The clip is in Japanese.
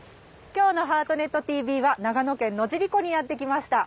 今日の「ハートネットＴＶ」は長野県野尻湖にやって来ました。